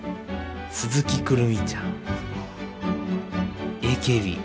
鈴木くるみちゃん。